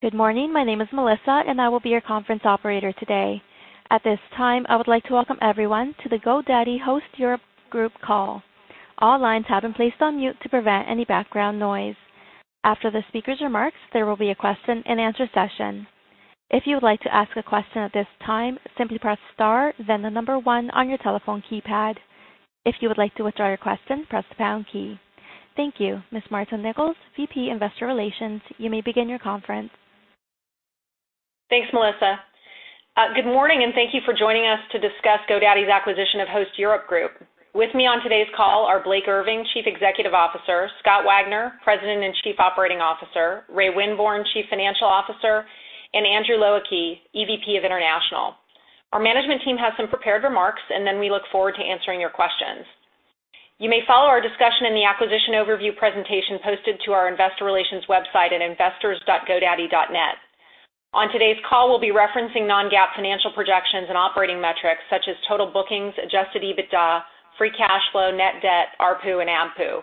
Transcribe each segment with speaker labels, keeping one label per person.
Speaker 1: Good morning. My name is Melissa, and I will be your conference operator today. At this time, I would like to welcome everyone to the GoDaddy Host Europe Group call. All lines have been placed on mute to prevent any background noise. After the speaker's remarks, there will be a question-and-answer session. If you would like to ask a question at this time, simply press star then the number one on your telephone keypad. If you would like to withdraw your question, press the pound key. Thank you. Ms. Marta Nichols, VP, Investor Relations, you may begin your conference.
Speaker 2: Thanks, Melissa. Good morning, and thank you for joining us to discuss GoDaddy's acquisition of Host Europe Group. With me on today's call are Blake Irving, Chief Executive Officer, Scott Wagner, President and Chief Operating Officer, Ray Winborne, Chief Financial Officer, and Andrew Low Ah Kee, EVP of International. Our management team has some prepared remarks, and then we look forward to answering your questions. You may follow our discussion in the acquisition overview presentation posted to our investor relations website at investors.godaddy.net. On today's call, we'll be referencing non-GAAP financial projections and operating metrics such as total bookings, adjusted EBITDA, free cash flow, net debt, ARPU, and AMPU.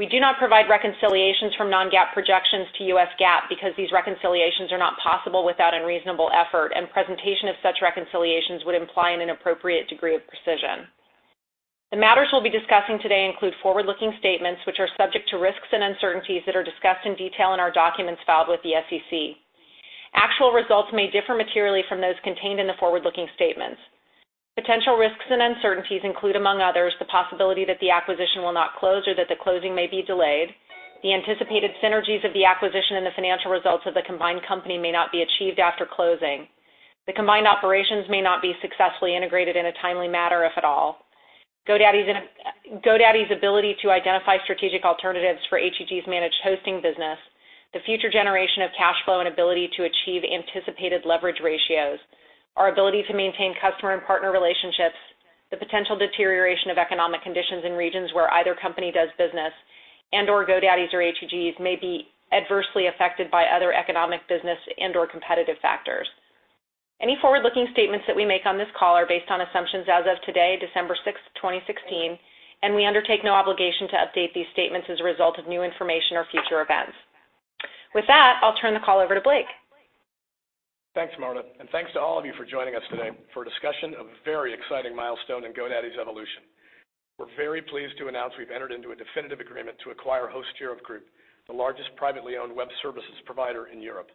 Speaker 2: We do not provide reconciliations from non-GAAP projections to US GAAP because these reconciliations are not possible without unreasonable effort, and presentation of such reconciliations would imply an inappropriate degree of precision. The matters we'll be discussing today include forward-looking statements which are subject to risks and uncertainties that are discussed in detail in our documents filed with the SEC. Actual results may differ materially from those contained in the forward-looking statements. Potential risks and uncertainties include, among others, the possibility that the acquisition will not close or that the closing may be delayed, the anticipated synergies of the acquisition, and the financial results of the combined company may not be achieved after closing. The combined operations may not be successfully integrated in a timely manner, if at all. GoDaddy's ability to identify strategic alternatives for HEG's managed hosting business, the future generation of cash flow, and ability to achieve anticipated leverage ratios, our ability to maintain customer and partner relationships, the potential deterioration of economic conditions in regions where either company does business, and/or GoDaddy's or HEG's may be adversely affected by other economic business and/or competitive factors. Any forward-looking statements that we make on this call are based on assumptions as of today, December 6th, 2016. We undertake no obligation to update these statements as a result of new information or future events. With that, I'll turn the call over to Blake.
Speaker 3: Thanks, Marta, and thanks to all of you for joining us today for a discussion of a very exciting milestone in GoDaddy's evolution. We're very pleased to announce we've entered into a definitive agreement to acquire Host Europe Group, the largest privately owned web services provider in Europe.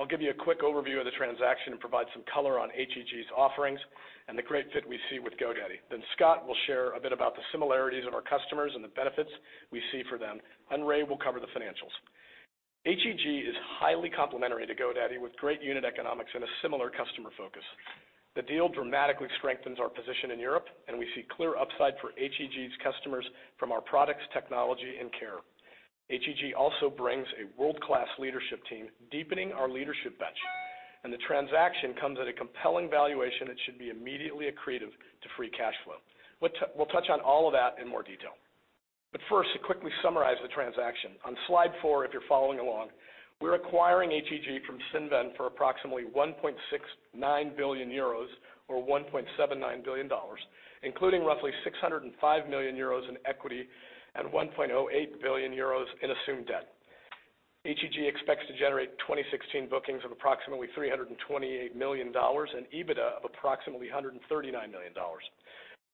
Speaker 3: I'll give you a quick overview of the transaction and provide some color on HEG's offerings and the great fit we see with GoDaddy. Scott will share a bit about the similarities of our customers and the benefits we see for them, and Ray will cover the financials. HEG is highly complementary to GoDaddy with great unit economics and a similar customer focus. The deal dramatically strengthens our position in Europe, and we see clear upside for HEG's customers from our products, technology, and care. HEG also brings a world-class leadership team, deepening our leadership bench, and the transaction comes at a compelling valuation that should be immediately accretive to free cash flow. We'll touch on all of that in more detail. First, to quickly summarize the transaction, on slide four if you're following along, we're acquiring HEG from Cinven for approximately €1.69 billion, or $1.79 billion, including roughly €605 million in equity and €1.08 billion in assumed debt. HEG expects to generate 2016 bookings of approximately $328 million, and EBITDA of approximately $139 million.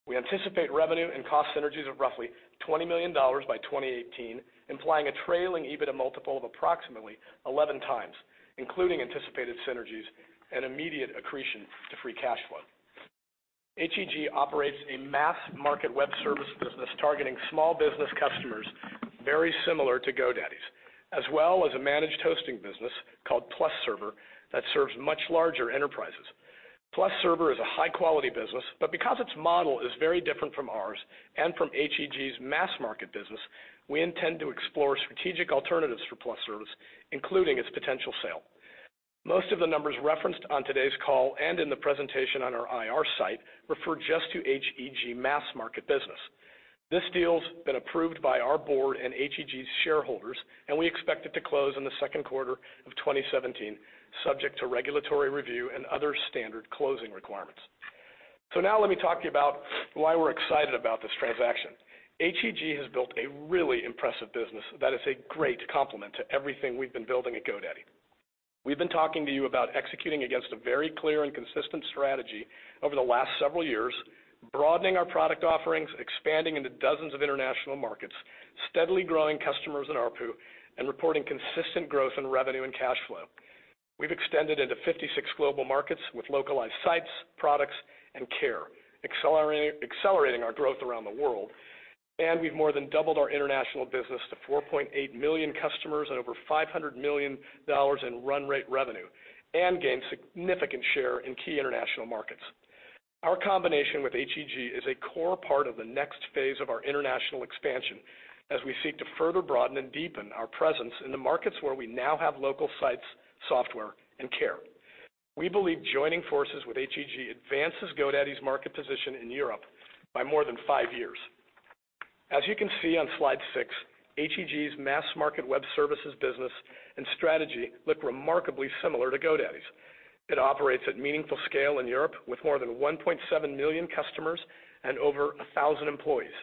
Speaker 3: We anticipate revenue and cost synergies of roughly $20 million by 2018, implying a trailing EBITDA multiple of approximately 11 times, including anticipated synergies and immediate accretion to free cash flow. HEG operates a mass market web service business targeting small business customers very similar to GoDaddy's, as well as a managed hosting business called PlusServer that serves much larger enterprises. PlusServer is a high-quality business, but because its model is very different from ours and from HEG's mass market business, we intend to explore strategic alternatives for PlusServer, including its potential sale. Most of the numbers referenced on today's call and in the presentation on our IR site refer just to HEG mass market business. This deal's been approved by our board and HEG's shareholders, and we expect it to close in the second quarter of 2017, subject to regulatory review and other standard closing requirements. Now let me talk to you about why we're excited about this transaction. HEG has built a really impressive business that is a great complement to everything we've been building at GoDaddy. We've been talking to you about executing against a very clear and consistent strategy over the last several years, broadening our product offerings, expanding into dozens of international markets, steadily growing customers and ARPU, and reporting consistent growth in revenue and cash flow. We've extended into 56 global markets with localized sites, products, and care, accelerating our growth around the world, and we've more than doubled our international business to 4.8 million customers and over $500 million in run rate revenue and gained significant share in key international markets. Our combination with HEG is a core part of the next phase of our international expansion as we seek to further broaden and deepen our presence in the markets where we now have local sites, software, and care. We believe joining forces with HEG advances GoDaddy's market position in Europe by more than five years. As you can see on slide six, HEG's mass market web services business and strategy look remarkably similar to GoDaddy's. It operates at meaningful scale in Europe with more than 1.7 million customers and over 1,000 employees.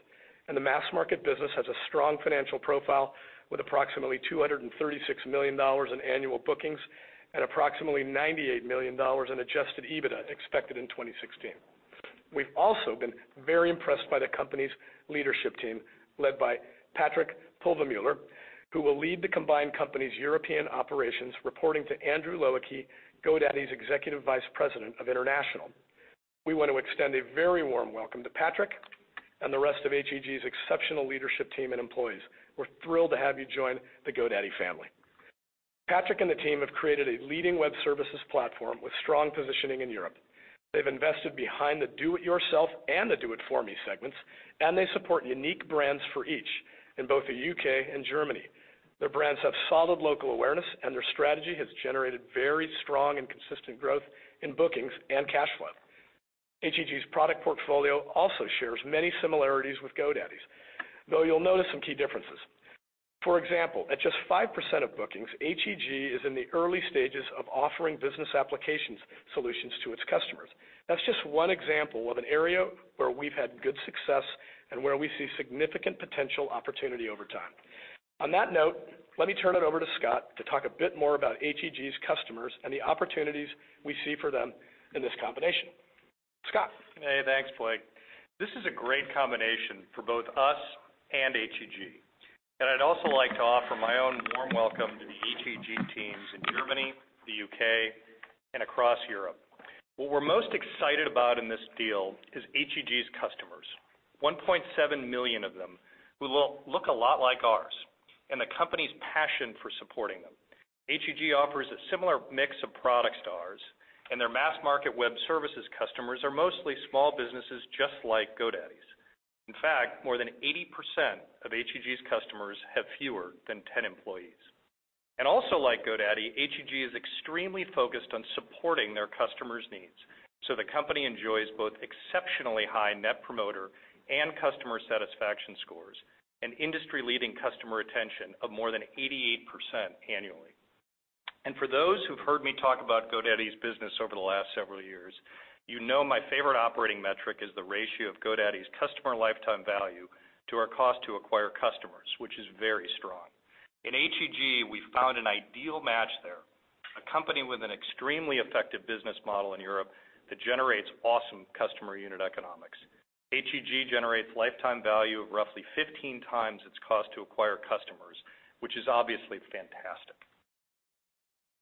Speaker 3: The mass market business has a strong financial profile with approximately $236 million in annual bookings and approximately $98 million in adjusted EBITDA expected in 2016. We've also been very impressed by the company's leadership team led by Patrick Pulvermüller, who will lead the combined company's European operations, reporting to Andrew Low Ah Kee, GoDaddy's Executive Vice President of International. We want to extend a very warm welcome to Patrick and the rest of HEG's exceptional leadership team and employees. We're thrilled to have you join the GoDaddy family. Patrick and the team have created a leading web services platform with strong positioning in Europe. They've invested behind the do-it-yourself and the do-it-for-me segments, and they support unique brands for each in both the U.K. and Germany.
Speaker 4: Their brands have solid local awareness, and their strategy has generated very strong and consistent growth in bookings and cash flow. HEG's product portfolio also shares many similarities with GoDaddy's, though you'll notice some key differences. For example, at just 5% of bookings, HEG is in the early stages of offering business applications solutions to its customers. That's just one example of an area where we've had good success and where we see significant potential opportunity over time. On that note, let me turn it over to Scott to talk a bit more about HEG's customers and the opportunities we see for them in this combination. Scott?
Speaker 5: Hey, thanks, Blake. This is a great combination for both us and HEG. I'd also like to offer my own warm welcome to the HEG teams in Germany, the U.K., and across Europe. What we're most excited about in this deal is HEG's customers, 1.7 million of them, who look a lot like ours, and the company's passion for supporting them. HEG offers a similar mix of products to ours, and their mass-market web services customers are mostly small businesses, just like GoDaddy's. In fact, more than 80% of HEG's customers have fewer than 10 employees. Also like GoDaddy, HEG is extremely focused on supporting their customers' needs, so the company enjoys both exceptionally high Net Promoter and customer satisfaction scores and industry-leading customer retention of more than 88% annually. For those who've heard me talk about GoDaddy's business over the last several years, you know my favorite operating metric is the ratio of GoDaddy's customer lifetime value to our cost to acquire customers, which is very strong. In HEG, we found an ideal match there, a company with an extremely effective business model in Europe that generates awesome customer unit economics. HEG generates lifetime value of roughly 15 times its cost to acquire customers, which is obviously fantastic.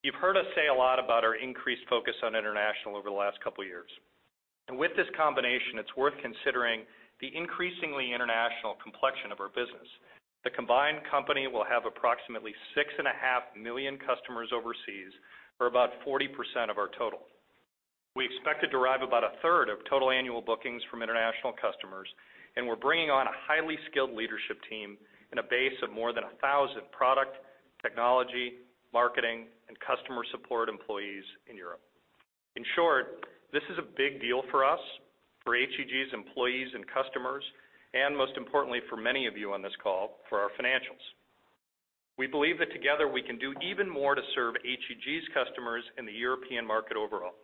Speaker 5: You've heard us say a lot about our increased focus on international over the last couple of years. With this combination, it's worth considering the increasingly international complexion of our business. The combined company will have approximately six and a half million customers overseas, or about 40% of our total. We expect to derive about a third of total annual bookings from international customers. We're bringing on a highly skilled leadership team and a base of more than 1,000 product, technology, marketing, and customer support employees in Europe. In short, this is a big deal for us, for HEG's employees and customers, and most importantly for many of you on this call, for our financials. We believe that together we can do even more to serve HEG's customers in the European market overall.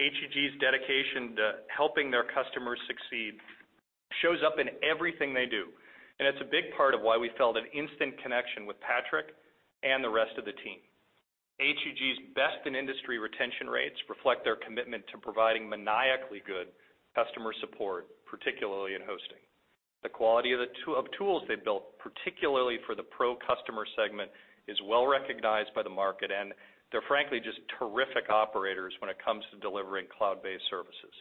Speaker 5: HEG's dedication to helping their customers succeed shows up in everything they do. It's a big part of why we felt an instant connection with Patrick and the rest of the team. HEG's best-in-industry retention rates reflect their commitment to providing maniacally good customer support, particularly in hosting. The quality of tools they've built, particularly for the pro customer segment, is well-recognized by the market. They're frankly just terrific operators when it comes to delivering cloud-based services.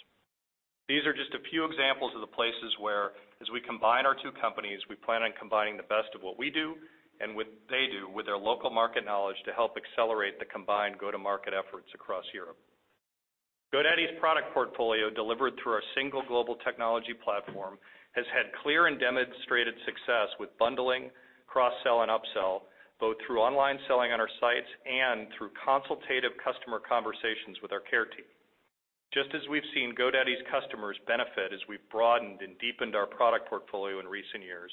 Speaker 5: These are just a few examples of the places where, as we combine our two companies, we plan on combining the best of what we do and what they do with their local market knowledge to help accelerate the combined go-to-market efforts across Europe. GoDaddy's product portfolio, delivered through our single global technology platform, has had clear and demonstrated success with bundling, cross-sell, and upsell, both through online selling on our sites and through consultative customer conversations with our care team. Just as we've seen GoDaddy's customers benefit as we've broadened and deepened our product portfolio in recent years,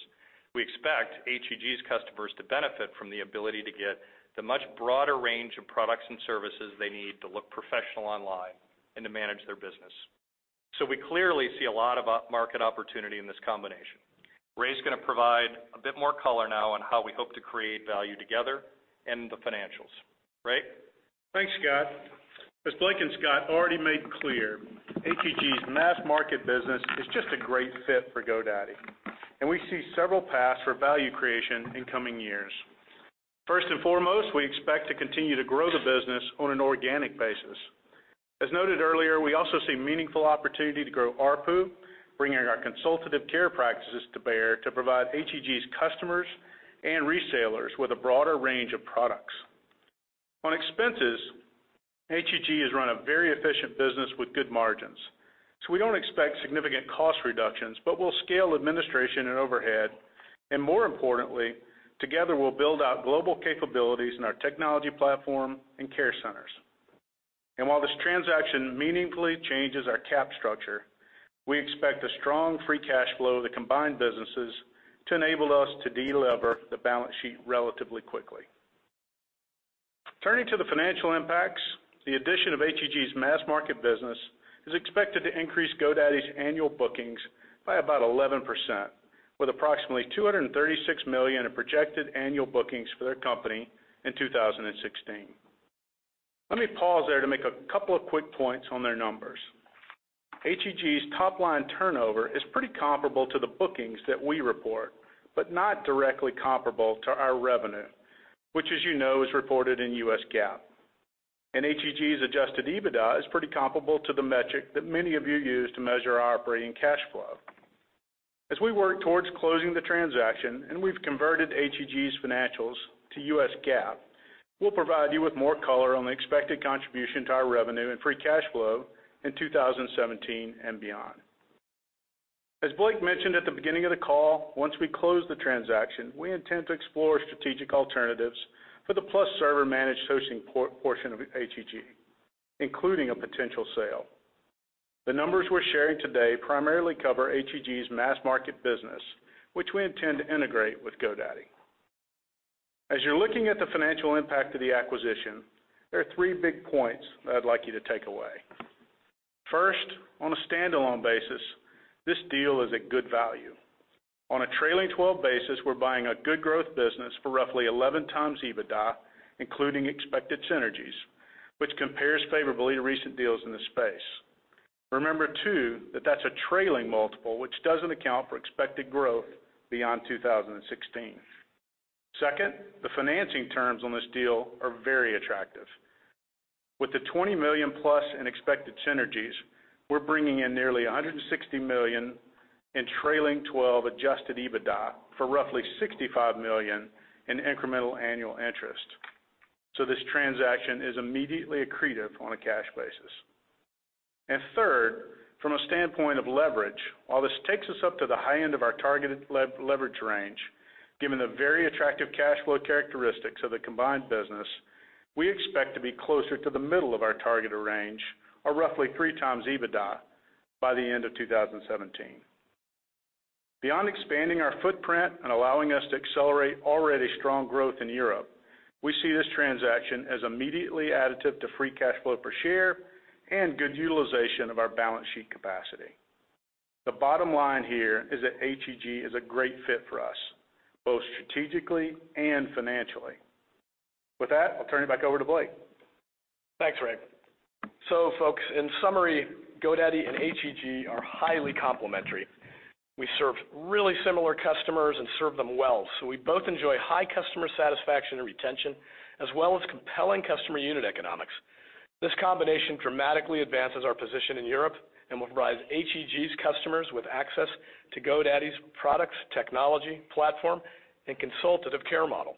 Speaker 5: we expect HEG's customers to benefit from the ability to get the much broader range of products and services they need to look professional online and to manage their business. We clearly see a lot of market opportunity in this combination. Ray's going to provide a bit more color now on how we hope to create value together and the financials. Ray?
Speaker 4: Thanks, Scott. As Blake and Scott already made clear, HEG's mass-market business is just a great fit for GoDaddy, and we see several paths for value creation in coming years. First and foremost, we expect to continue to grow the business on an organic basis. As noted earlier, we also see meaningful opportunity to grow ARPU, bringing our consultative care practices to bear to provide HEG's customers and resellers with a broader range of products. On expenses, HEG has run a very efficient business with good margins, so we don't expect significant cost reductions, but we'll scale administration and overhead, and more importantly, together, we'll build out global capabilities in our technology platform and care centers. While this transaction meaningfully changes our cap structure. We expect a strong free cash flow of the combined businesses to enable us to de-lever the balance sheet relatively quickly. Turning to the financial impacts, the addition of HEG's mass market business is expected to increase GoDaddy's annual bookings by about 11%, with approximately $236 million in projected annual bookings for their company in 2016. Let me pause there to make a couple of quick points on their numbers. HEG's top-line turnover is pretty comparable to the bookings that we report, but not directly comparable to our revenue, which, as you know, is reported in US GAAP. HEG's adjusted EBITDA is pretty comparable to the metric that many of you use to measure our operating cash flow. As we work towards closing the transaction, and we've converted HEG's financials to US GAAP, we'll provide you with more color on the expected contribution to our revenue and free cash flow in 2017 and beyond. As Blake mentioned at the beginning of the call, once we close the transaction, we intend to explore strategic alternatives for the PlusServer managed hosting portion of HEG, including a potential sale. The numbers we're sharing today primarily cover HEG's mass market business, which we intend to integrate with GoDaddy. As you're looking at the financial impact of the acquisition, there are three big points that I'd like you to take away. First, on a standalone basis, this deal is a good value. On a trailing 12 basis, we're buying a good growth business for roughly 11 times EBITDA, including expected synergies, which compares favorably to recent deals in the space. Remember too, that that's a trailing multiple, which doesn't account for expected growth beyond 2016. Second, the financing terms on this deal are very attractive. With the 20 million plus in expected synergies, we're bringing in nearly $160 million in trailing 12 adjusted EBITDA for roughly $65 million in incremental annual interest. This transaction is immediately accretive on a cash basis. Third, from a standpoint of leverage, while this takes us up to the high end of our targeted leverage range, given the very attractive cash flow characteristics of the combined business, we expect to be closer to the middle of our targeted range, or roughly three times EBITDA, by the end of 2017. Beyond expanding our footprint and allowing us to accelerate already strong growth in Europe, we see this transaction as immediately additive to free cash flow per share and good utilization of our balance sheet capacity. The bottom line here is that HEG is a great fit for us, both strategically and financially. With that, I'll turn it back over to Blake.
Speaker 3: Thanks, Ray. Folks, in summary, GoDaddy and HEG are highly complementary. We serve really similar customers and serve them well, so we both enjoy high customer satisfaction and retention, as well as compelling customer unit economics. This combination dramatically advances our position in Europe and will provide HEG's customers with access to GoDaddy's products, technology platform, and consultative care model.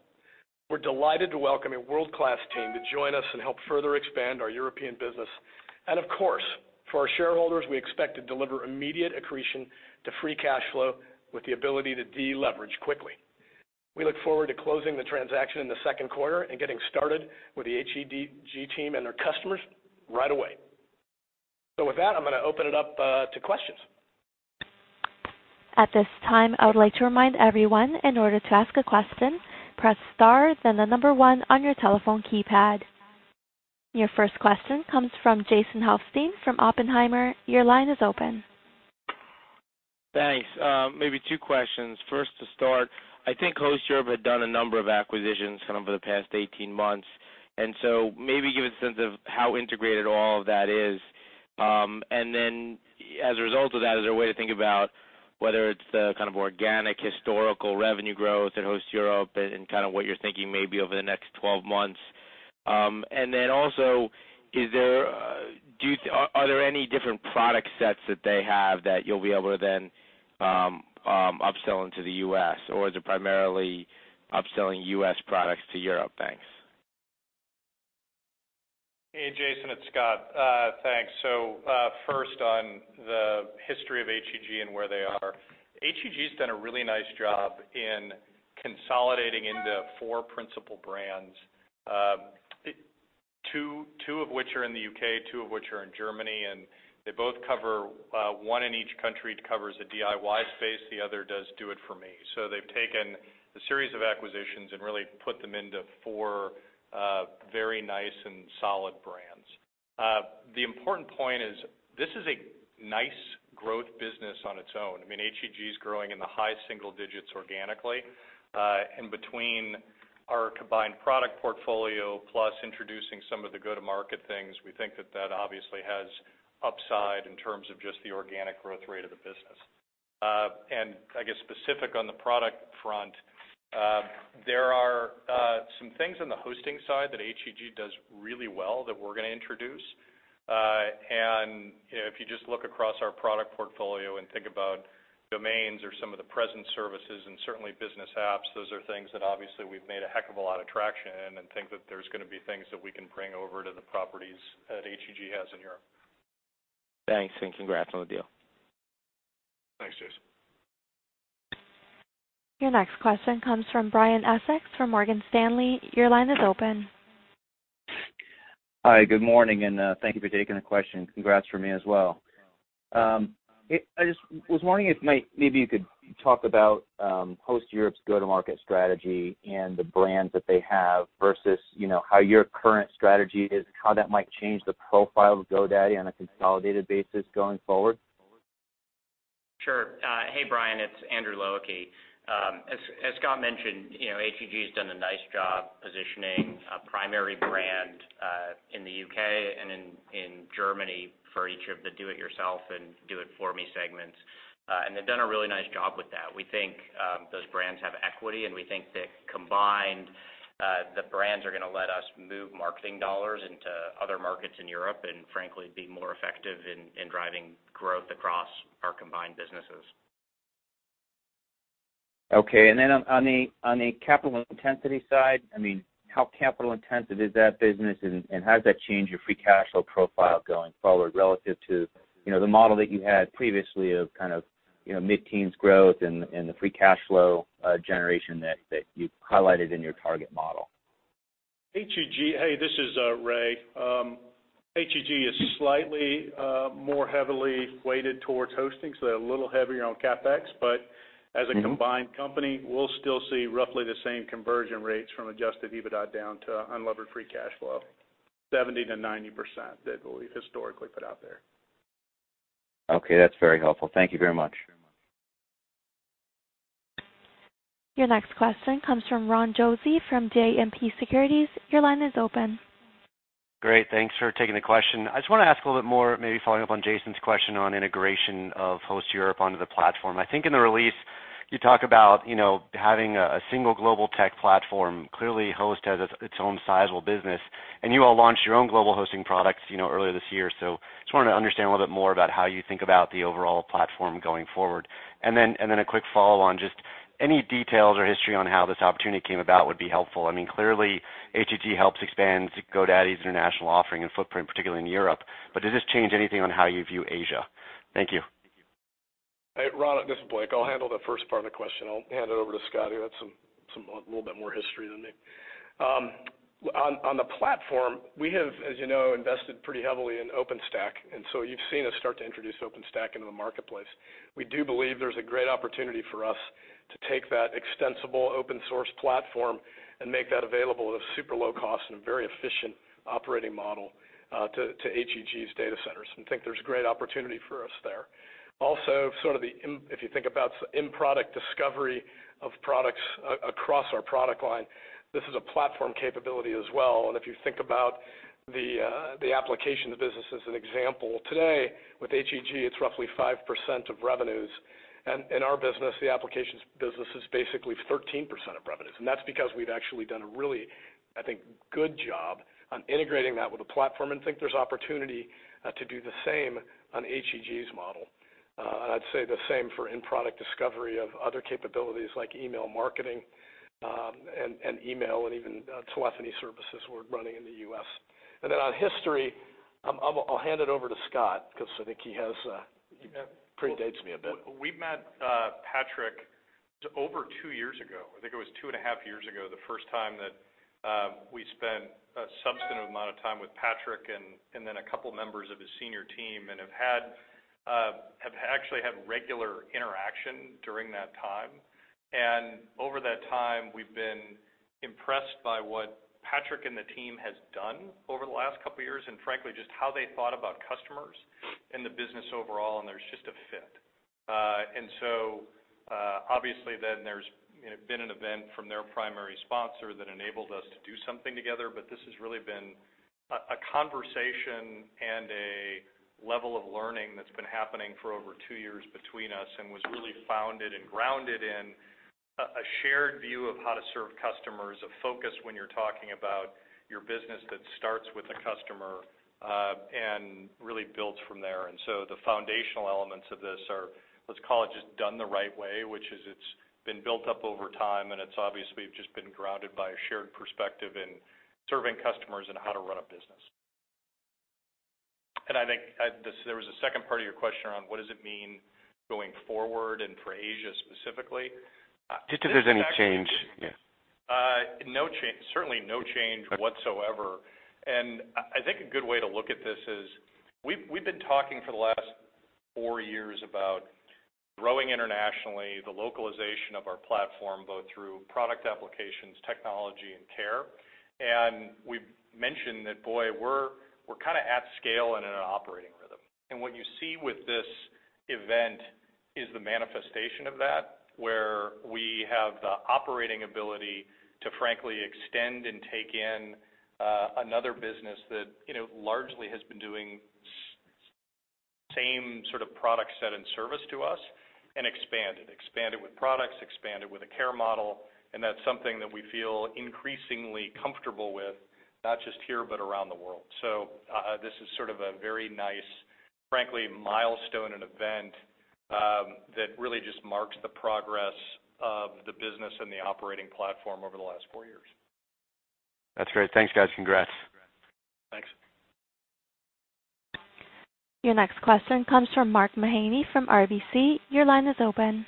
Speaker 3: We're delighted to welcome a world-class team to join us and help further expand our European business. Of course, for our shareholders, we expect to deliver immediate accretion to free cash flow with the ability to de-leverage quickly. We look forward to closing the transaction in the second quarter and getting started with the HEG team and their customers right away. With that, I'm going to open it up to questions.
Speaker 1: At this time, I would like to remind everyone, in order to ask a question, press star then the number one on your telephone keypad. Your first question comes from Jason Helfstein from Oppenheimer. Your line is open.
Speaker 6: Thanks. Maybe two questions. First, to start, I think Host Europe had done a number of acquisitions kind of over the past 18 months, and so maybe give a sense of how integrated all of that is. Then, as a result of that, is there a way to think about whether it's the kind of organic historical revenue growth at Host Europe and kind of what you're thinking maybe over the next 12 months? Then also, are there any different product sets that they have that you'll be able to then upsell into the U.S., or is it primarily upselling U.S. products to Europe? Thanks.
Speaker 5: Hey, Jason, it's Scott. Thanks. First on the history of HEG and where they are. HEG's done a really nice job in consolidating into four principal brands, two of which are in the U.K., two of which are in Germany, and one in each country covers a DIY space, the other does do it for me. They've taken a series of acquisitions and really put them into four very nice and solid brands. The important point is this is a nice growth business on its own. I mean, HEG's growing in the high single digits organically. In between our combined product portfolio plus introducing some of the go-to-market things, we think that that obviously has upside in terms of just the organic growth rate of the business. I guess specific on the product front, there are some things in the hosting side that HEG does really well that we're going to introduce. If you just look across our product portfolio and think about domains or some of the present services and certainly Biz Apps, those are things that obviously we've made a heck of a lot of traction in and think that there's going to be things that we can bring over to the properties that HEG has in Europe.
Speaker 6: Thanks, and congrats on the deal.
Speaker 5: Thanks, Jason.
Speaker 1: Your next question comes from Brian Essex from Morgan Stanley. Your line is open.
Speaker 7: Hi, good morning. Thank you for taking the question. Congrats from me as well. I just was wondering if maybe you could talk about Host Europe's go-to-market strategy and the brands that they have versus how your current strategy is, how that might change the profile of GoDaddy on a consolidated basis going forward.
Speaker 8: Sure. Hey, Brian, it's Andrew Low Ah Kee. As Scott mentioned, HEG has done a nice job positioning a primary brand in the U.K. and in Germany for each of the do it yourself and do it for me segments. They've done a really nice job with that. We think those brands have equity, and we think that combined, the brands are going to let us move marketing dollars into other markets in Europe and frankly, be more effective in driving growth across our combined businesses.
Speaker 7: Okay, then on the capital intensity side, how capital-intensive is that business, and how does that change your free cash flow profile going forward relative to the model that you had previously of mid-teens growth and the free cash flow generation that you highlighted in your target model?
Speaker 4: Hey, this is Ray. HEG is slightly more heavily weighted towards hosting, so they're a little heavier on CapEx. As a combined company, we'll still see roughly the same conversion rates from adjusted EBITDA down to unlevered free cash flow, 70%-90% that we've historically put out there.
Speaker 7: Okay, that's very helpful. Thank you very much.
Speaker 1: Your next question comes from Ron Josey from JMP Securities. Your line is open.
Speaker 9: Great. Thanks for taking the question. I just want to ask a little bit more, maybe following up on Jason's question on integration of Host Europe onto the platform. I think in the release, you talk about having a single global tech platform. Clearly, Host has its own sizable business, and you all launched your own global hosting products earlier this year. Just wanted to understand a little bit more about how you think about the overall platform going forward. Then a quick follow on, just any details or history on how this opportunity came about would be helpful. Clearly, HEG helps expand GoDaddy's international offering and footprint, particularly in Europe. Does this change anything on how you view Asia? Thank you.
Speaker 3: Hey, Ron, this is Blake. I'll handle the first part of the question. I'll hand it over to Scott, who has a little bit more history than me. On the platform, we have, as you know, invested pretty heavily in OpenStack. You've seen us start to introduce OpenStack into the marketplace. We do believe there's a great opportunity for us to take that extensible open source platform and make that available at a super low cost and a very efficient operating model to HEG's data centers, and think there's great opportunity for us there. Also, if you think about in-product discovery of products across our product line, this is a platform capability as well. If you think about the applications business as an example today, with HEG, it's roughly 5% of revenues. In our business, the applications business is basically 13% of revenues.
Speaker 4: That's because we've actually done a really, I think, good job on integrating that with the platform, and think there's opportunity to do the same on HEG's model. I'd say the same for in-product discovery of other capabilities like email marketing, and email, and even telephony services we're running in the U.S. On history, I'll hand it over to Scott because I think he predates me a bit.
Speaker 5: We met Patrick over two years ago. I think it was two and a half years ago, the first time that we spent a substantive amount of time with Patrick and then a couple members of his senior team, and have actually had regular interaction during that time. Over that time, we've been impressed by what Patrick and the team has done over the last couple of years, and frankly, just how they thought about customers and the business overall, and there's just a fit. Obviously then there's been an event from their primary sponsor that enabled us to do something together. This has really been a conversation and a level of learning that's been happening for over two years between us and was really founded and grounded in a shared view of how to serve customers, a focus when you're talking about your business that starts with the customer, and really builds from there. The foundational elements of this are, let's call it, just done the right way, which is it's been built up over time, and it's obviously just been grounded by a shared perspective in serving customers and how to run a business. I think there was a second part of your question around what does it mean going forward and for Asia specifically.
Speaker 9: Just if there's any change. Yeah.
Speaker 5: Certainly no change whatsoever. I think a good way to look at this is we've been talking for the last four years about growing internationally, the localization of our platform, both through product applications, technology, and care. We've mentioned that, boy, we're kind of at scale and in an operating rhythm. What you see with this event is the manifestation of that, where we have the operating ability to frankly extend and take in another business that largely has been doing same sort of product set and service to us and expand it. Expand it with products, expand it with a care model, and that's something that we feel increasingly comfortable with, not just here, but around the world. This is sort of a very nice, frankly, milestone and event that really just marks the progress of the business and the operating platform over the last four years.
Speaker 9: That's great. Thanks, guys. Congrats.
Speaker 1: Your next question comes from Mark Mahaney from RBC. Your line is open.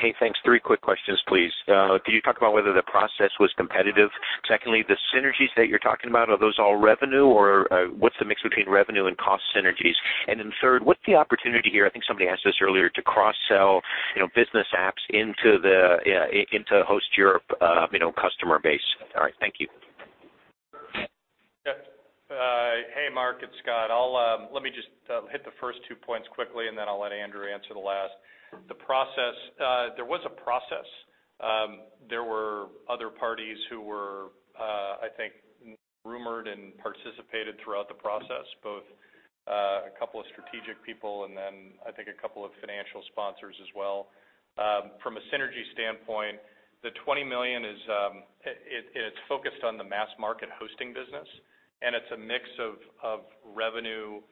Speaker 10: Hey, thanks. Three quick questions, please. Could you talk about whether the process was competitive? Secondly, the synergies that you're talking about, are those all revenue, or what's the mix between revenue and cost synergies? Third, what's the opportunity here, I think somebody asked this earlier, to cross-sell business apps into Host Europe customer base? All right, thank you.
Speaker 5: Hey, Mark, it's Scott. Let me just hit the first two points quickly. I'll let Andrew answer the last. There was a process. There were other parties who were, I think, rumored and participated throughout the process, both a couple of strategic people and then, I think, a couple of financial sponsors as well. From a synergy standpoint, the $20 million is focused on the mass market hosting business, and it's a mix of revenue and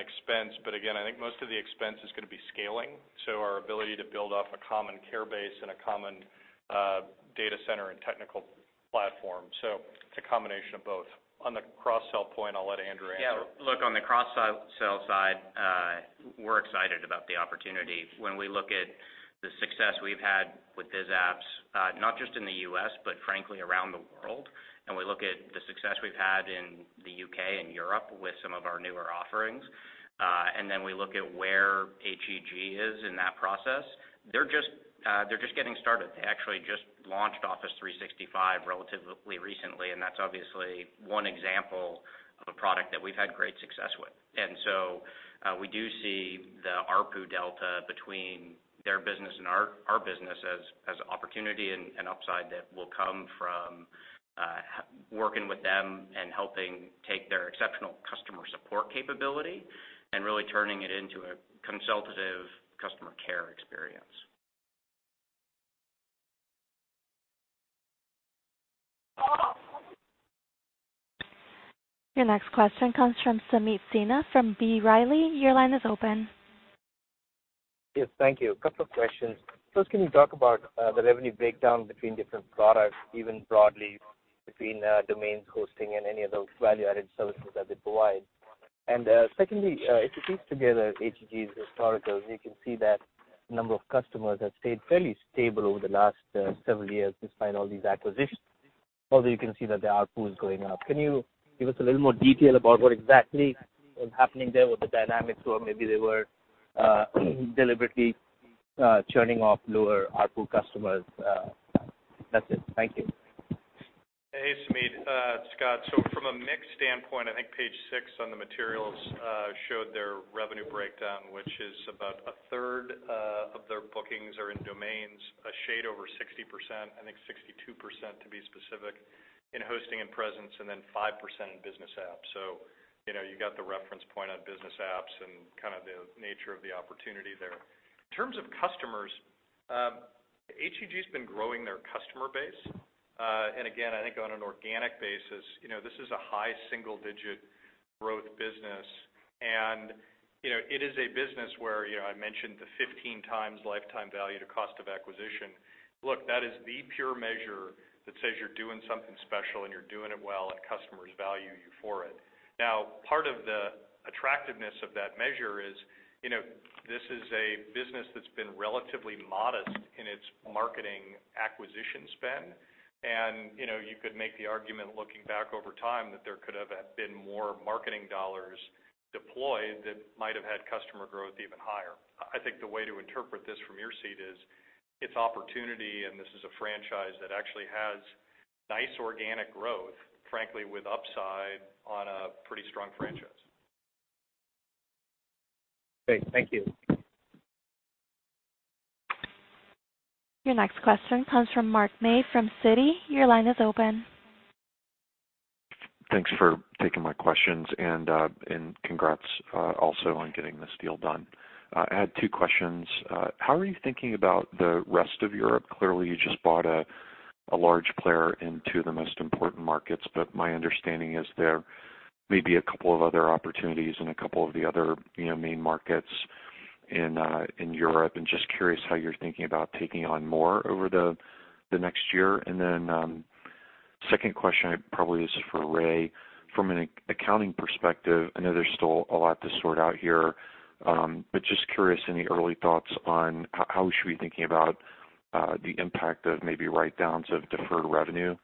Speaker 5: expense. Again, I think most of the expense is going to be scaling, so our ability to build off a common care base and a common data center and technical platform. It's a combination of both. On the cross-sell point, I'll let Andrew answer.
Speaker 8: Yeah. Look, on the cross-sell side, we're excited about the opportunity. When we look at the success we've had with Biz Apps, not just in the U.S., but frankly, around the world, and we look at the success we've had in the U.K. and Europe with some of our newer offerings, and then we look at where HEG is in that process, they're just getting started. They actually just launched Office 365 relatively recently, and that's obviously one example of a product that we've had great success with. We do see the ARPU delta between their business and our business as opportunity and upside that will come from working with them and helping take their exceptional customer support capability and really turning it into a consultative customer care experience.
Speaker 1: Your next question comes from Sameet Sinha from B. Riley. Your line is open.
Speaker 11: Yes, thank you. A couple of questions. First, can you talk about the revenue breakdown between different products, even broadly between domains hosting and any of those value-added services that they provide? Secondly, if you piece together HEG's historicals, you can see that the number of customers has stayed fairly stable over the last several years despite all these acquisitions, although you can see that the ARPU is going up. Can you give us a little more detail about what exactly is happening there with the dynamics, or maybe they were deliberately churning off lower ARPU customers? That's it. Thank you.
Speaker 5: Hey, Sameet, Scott. From a mix standpoint, I think page six on the materials showed their revenue breakdown, which is about a third of their bookings are in domains, a shade over 60%, I think 62% to be specific, in hosting and presence, then 5% in Biz Apps. You got the reference point on Biz Apps and kind of the nature of the opportunity there. In terms of customers, HEG's been growing their customer base. Again, I think on an organic basis, this is a high single-digit growth business. It is a business where I mentioned the 15 times lifetime value to cost of acquisition. Look, that is the pure measure that says you're doing something special, and you're doing it well, and customers value you for it. Now, part of the attractiveness of that measure is, this is a business that's been relatively modest in its marketing acquisition spend. You could make the argument looking back over time that there could have been more marketing dollars deployed that might have had customer growth even higher. I think the way to interpret this from your seat is, it's opportunity, and this is a franchise that actually has nice organic growth, frankly, with upside on a pretty strong franchise.
Speaker 11: Great. Thank you.
Speaker 1: Your next question comes from Mark May from Citi. Your line is open.
Speaker 12: Thanks for taking my questions. Congrats also on getting this deal done. I had two questions. How are you thinking about the rest of Europe? Clearly, you just bought a large player in two of the most important markets. My understanding is there may be a couple of other opportunities in a couple of the other main markets in Europe. I'm just curious how you're thinking about taking on more over the next year. Then, second question probably is for Ray. From an accounting perspective, I know there's still a lot to sort out here. Just curious, any early thoughts on how we should be thinking about the impact of maybe write-downs of deferred revenue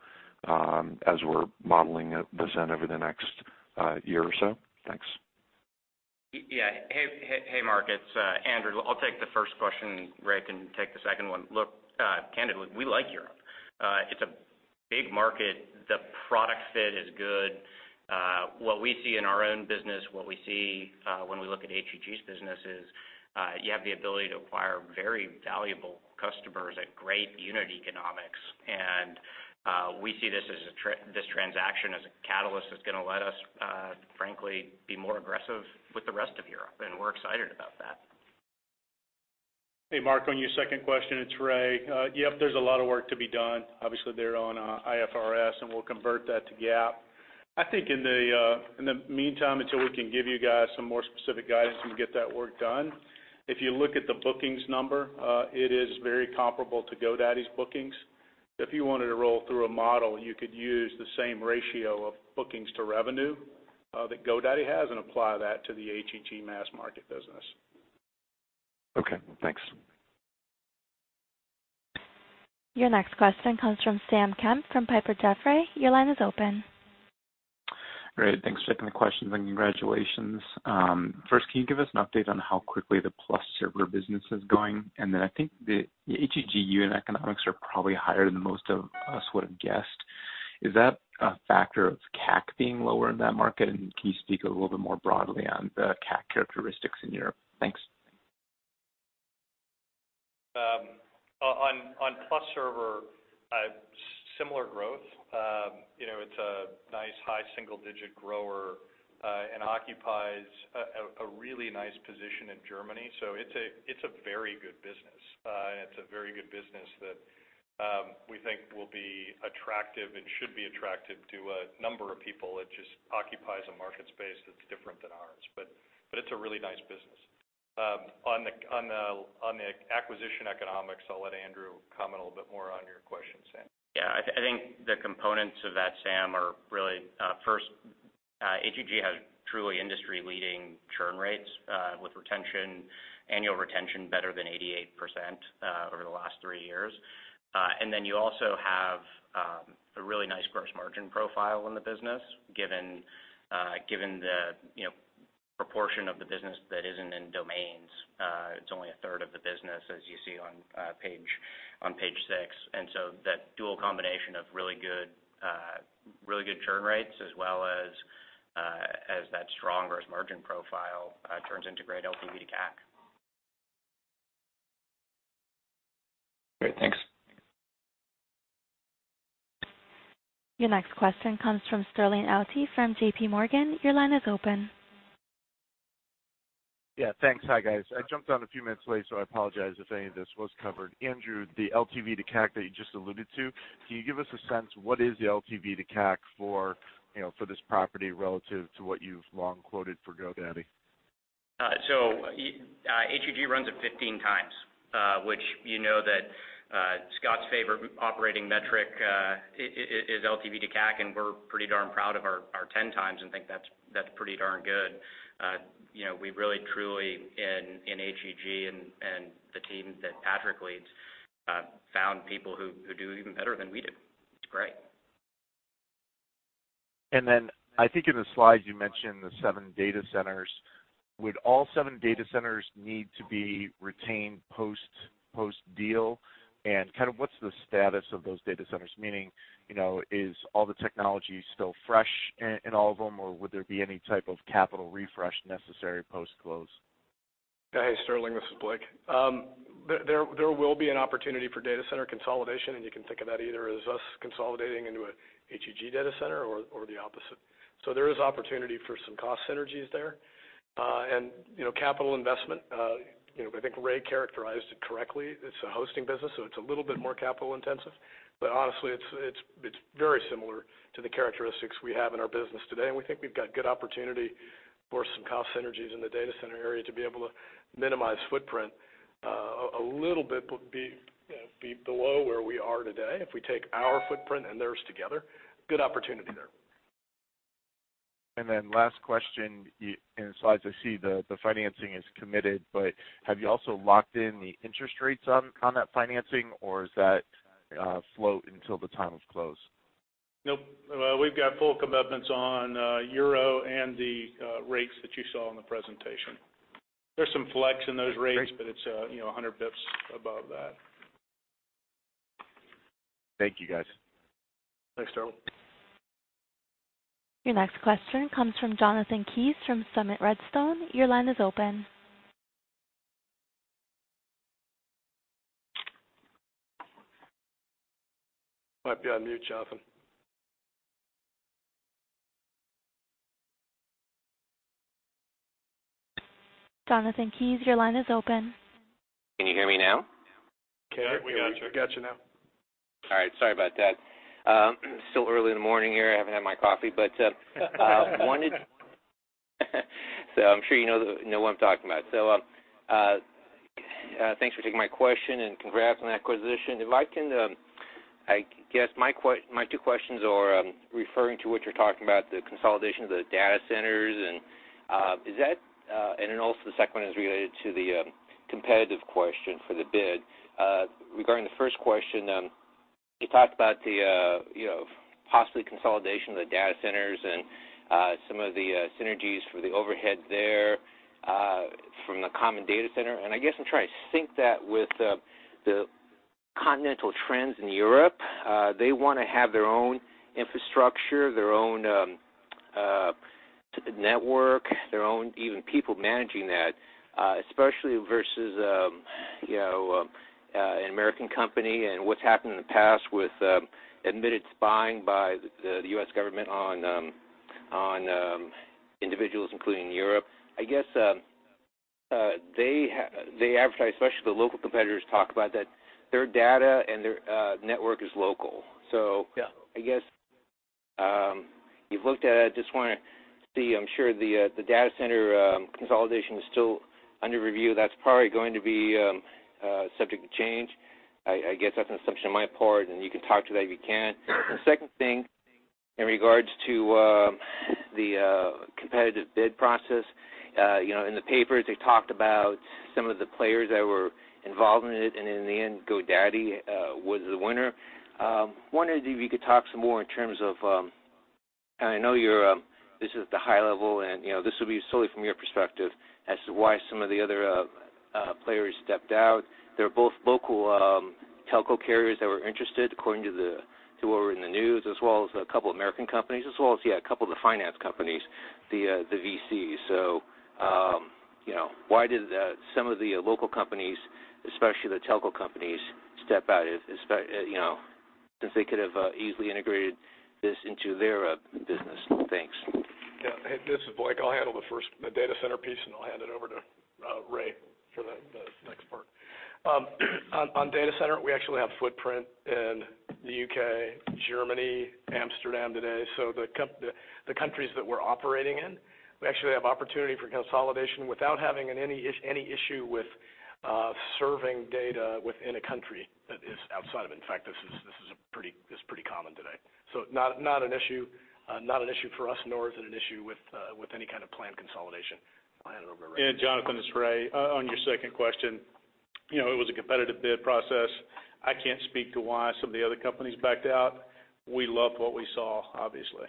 Speaker 12: as we're modeling the Zen over the next year or so? Thanks.
Speaker 8: Yeah. Hey, Mark, it's Andrew. I'll take the first question. Ray can take the second one. Look, candidly, we like Europe. It's a big market. The product fit is good. What we see in our own business, what we see when we look at HEG's business is, you have the ability to acquire very valuable customers at great unit economics. We see this transaction as a catalyst that's going to let us frankly be more aggressive with the rest of Europe, and we're excited about that.
Speaker 4: Hey, Mark, on your second question, it's Ray. Yep, there's a lot of work to be done. Obviously, they're on IFRS, and we'll convert that to GAAP. I think in the meantime, until we can give you guys some more specific guidance and get that work done, if you look at the bookings number, it is very comparable to GoDaddy's bookings. If you wanted to roll through a model, you could use the same ratio of bookings to revenue that GoDaddy has and apply that to the HEG mass market business.
Speaker 12: Okay, thanks.
Speaker 1: Your next question comes from Sam Kemp from Piper Jaffray. Your line is open.
Speaker 13: Great. Thanks for taking the question, and congratulations. First, can you give us an update on how quickly the PlusServer business is going? I think the HEG unit economics are probably higher than most of us would've guessed. Is that a factor of CAC being lower in that market? Can you speak a little bit more broadly on the CAC characteristics in Europe? Thanks.
Speaker 5: On PlusServer, similar growth. It's a nice high single-digit grower and occupies a really nice position in Germany. It's a very good business. It's a very good business that we think will be attractive and should be attractive to a number of people. It just occupies a market space that's different than ours, but it's a really nice business. On the acquisition economics, I'll let Andrew comment a little bit more on your question, Sam.
Speaker 8: Yeah, I think the components of that, Sam, are really, first, HEG has truly industry-leading churn rates, with annual retention better than 88% over the last three years. You also have a really nice gross margin profile in the business, given the proportion of the business that isn't in domains. It's only a third of the business, as you see on Page six. That dual combination of really good churn rates as well as that strong gross margin profile turns into great LTV to CAC.
Speaker 13: Great. Thanks.
Speaker 1: Your next question comes from Sterling Auty from J.P. Morgan. Your line is open.
Speaker 14: Yeah. Thanks. Hi, guys. I jumped on a few minutes late, so I apologize if any of this was covered. Andrew, the LTV to CAC that you just alluded to, can you give us a sense of what is the LTV to CAC for this property relative to what you've long quoted for GoDaddy?
Speaker 8: HEG runs at 15 times, which you know that Scott's favorite operating metric is LTV to CAC, and we're pretty darn proud of our 10 times and think that's pretty darn good. We really, truly, in HEG and the team that Patrick leads, found people who do it even better than we do. It's great.
Speaker 14: I think in the slides you mentioned the seven data centers. Would all seven data centers need to be retained post-deal? What's the status of those data centers? Meaning, is all the technology still fresh in all of them, or would there be any type of capital refresh necessary post-close?
Speaker 3: Hey, Sterling. This is Blake. There will be an opportunity for data center consolidation, and you can think of that either as us consolidating into a HEG data center or the opposite. There is opportunity for some cost synergies there. Capital investment, I think Ray characterized it correctly. It's a hosting business, it's a little bit more capital intensive. Honestly, it's very similar to the characteristics we have in our business today. We think we've got good opportunity for some cost synergies in the data center area to be able to minimize footprint a little bit below where we are today if we take our footprint and theirs together. Good opportunity there.
Speaker 14: Last question. In the slides, I see the financing is committed, have you also locked in the interest rates on that financing, or does that float until the time of close?
Speaker 4: Nope. We've got full commitments on EUR and the rates that you saw in the presentation. There's some flex in those rates. Great It's 100 basis points above that.
Speaker 14: Thank you, guys.
Speaker 4: Thanks, Sterling.
Speaker 1: Your next question comes from Jonathan Kees from Summit Redstone. Your line is open.
Speaker 4: Might be on mute, Jonathan.
Speaker 1: Jonathan Kees, your line is open.
Speaker 15: Can you hear me now?
Speaker 4: Okay. We got you.
Speaker 8: We got you now.
Speaker 15: Sorry about that. Still early in the morning here. I haven't had my coffee, but so I'm sure you know what I'm talking about. Thanks for taking my question, and congrats on the acquisition. I guess my two questions are referring to what you're talking about, the consolidation of the data centers, and the second one is related to the competitive question for the bid. Regarding the first question, you talked about the possible consolidation of the data centers and some of the synergies for the overhead there from the common data center. I guess I'm trying to sync that with the continental trends in Europe. They want to have their own infrastructure, their own network, their own even people managing that. Especially versus an American company and what's happened in the past with admitted spying by the U.S. government on individuals, including Europe. I guess they advertise, especially the local competitors talk about that their data and their network is local.
Speaker 3: Yeah.
Speaker 15: I guess You've looked at it. I just want to see, I'm sure the data center consolidation is still under review. That's probably going to be subject to change. I guess that's an assumption on my part, and you can talk to that if you can. The second thing, in regards to the competitive bid process. In the papers, they talked about some of the players that were involved in it, and in the end, GoDaddy was the winner. Wondering if you could talk some more in terms of, and I know this is the high level, and this will be solely from your perspective, as to why some of the other players stepped out. There are both local telco carriers that were interested, according to what were in the news, as well as a couple of American companies, as well as a couple of the finance companies, the VCs. Why did some of the local companies, especially the telco companies, step out, since they could have easily integrated this into their business? Thanks.
Speaker 3: This is Blake. I'll handle the first, the data center piece, and I'll hand it over to Ray for the next part. On data center, we actually have footprint in the U.K., Germany, Amsterdam today. The countries that we're operating in, we actually have opportunity for consolidation without having any issue with serving data within a country that is outside of it. In fact, this is pretty common today. Not an issue for us, nor is it an issue with any kind of planned consolidation. I'll hand it over to Ray.
Speaker 4: Jonathan, it's Ray. On your second question, it was a competitive bid process. I can't speak to why some of the other companies backed out. We loved what we saw, obviously.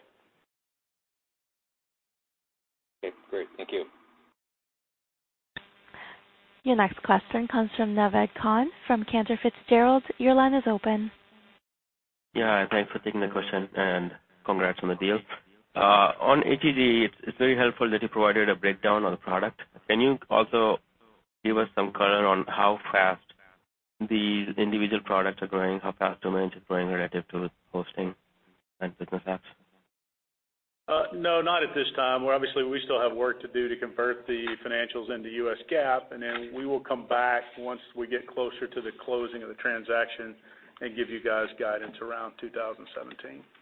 Speaker 15: Okay, great. Thank you.
Speaker 1: Your next question comes from Naved Khan from Cantor Fitzgerald. Your line is open.
Speaker 16: Yeah, thanks for taking the question. Congrats on the deal. On HEG, it's very helpful that you provided a breakdown on the product. Can you also give us some color on how fast these individual products are growing, how fast domain is growing relative to hosting and Biz Apps?
Speaker 4: No, not at this time. Obviously, we still have work to do to convert the financials into US GAAP. Then we will come back once we get closer to the closing of the transaction and give you guys guidance around 2017.
Speaker 16: Okay.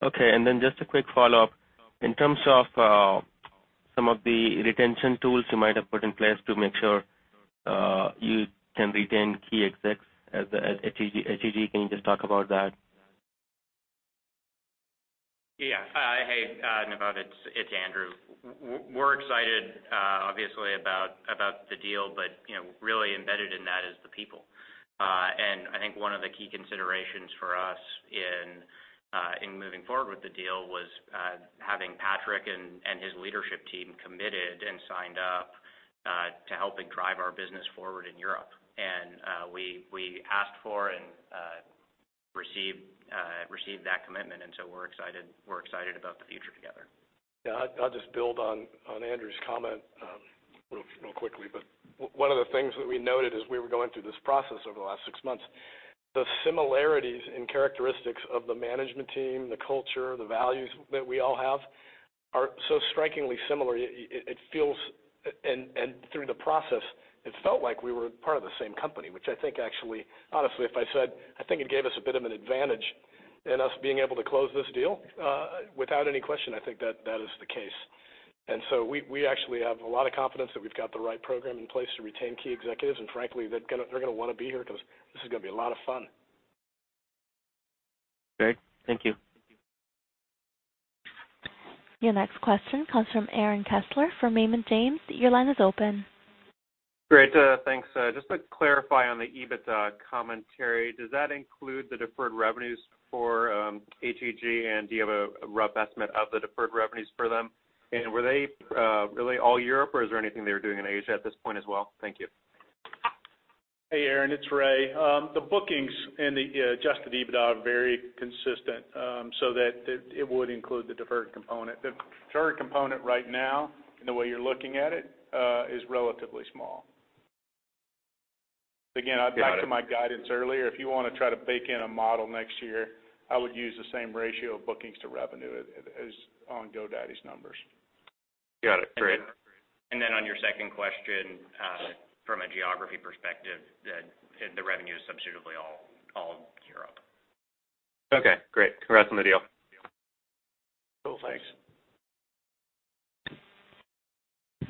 Speaker 16: Then just a quick follow-up. In terms of some of the retention tools you might have put in place to make sure you can retain key execs at HEG, can you just talk about that?
Speaker 8: Yeah. Hey, Naved, it's Andrew. We're excited, obviously, about the deal, but really embedded in that is the people. I think one of the key considerations for us in moving forward with the deal was having Patrick and his leadership team committed and signed up to helping drive our business forward in Europe. We asked for and received that commitment, and so we're excited about the future together.
Speaker 3: I'll just build on Andrew's comment real quickly. One of the things that we noted as we were going through this process over the last six months, the similarities in characteristics of the management team, the culture, the values that we all have are so strikingly similar. Through the process, it felt like we were part of the same company, which I think actually, honestly, if I said, it gave us a bit of an advantage in us being able to close this deal. Without any question, I think that is the case. We actually have a lot of confidence that we've got the right program in place to retain key executives, and frankly, they're going to want to be here because this is going to be a lot of fun.
Speaker 16: Great. Thank you.
Speaker 1: Your next question comes from Aaron Kessler from Raymond James. Your line is open.
Speaker 17: Great. Thanks. Just to clarify on the EBITDA commentary, does that include the deferred revenues for HEG? Do you have a rough estimate of the deferred revenues for them? Were they really all Europe, or is there anything they were doing in Asia at this point as well? Thank you.
Speaker 4: Hey, Aaron, it's Ray. The bookings and the adjusted EBITDA are very consistent, so that it would include the deferred component. The deferred component right now, in the way you're looking at it, is relatively small. Again, I'd go back to my guidance earlier. If you want to try to bake in a model next year, I would use the same ratio of bookings to revenue as on GoDaddy's numbers.
Speaker 17: Got it. Great.
Speaker 8: On your second question, from a geography perspective, the revenue is substantively all Europe.
Speaker 17: Okay, great. Congrats on the deal.
Speaker 4: Cool. Thanks.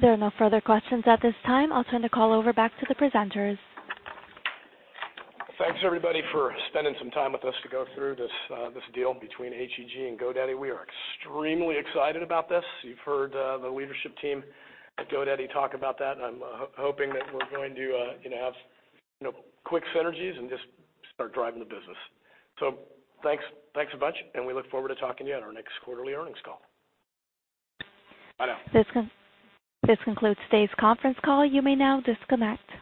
Speaker 1: There are no further questions at this time. I'll turn the call over back to the presenters.
Speaker 3: Thanks everybody for spending some time with us to go through this deal between HEG and GoDaddy. We are extremely excited about this. You've heard the leadership team at GoDaddy talk about that, and I'm hoping that we're going to have quick synergies and just start driving the business. Thanks a bunch, and we look forward to talking to you on our next quarterly earnings call. Bye now.
Speaker 1: This concludes today's conference call. You may now disconnect.